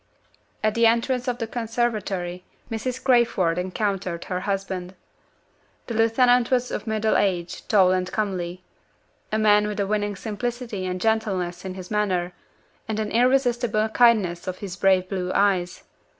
At the entrance to the conservatory, Mrs. Crayford encountered her husband. The lieutenant was of middle age, tall and comely. A man with a winning simplicity and gentleness in his manner, and an irresistible kindness in his brave blue eyes.